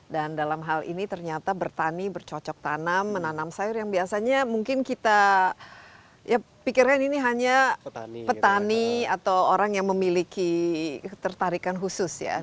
dan dalam hal ini ternyata bertani bercocok tanam menanam sayur yang biasanya mungkin kita pikirkan ini hanya petani atau orang yang memiliki tertarikan khusus